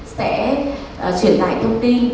sẽ truyền lại thông tin